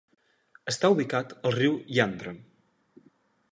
Està ubicat al riu Yantra.